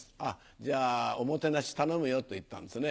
「じゃあおもてなし頼むよ」と言ったんですね。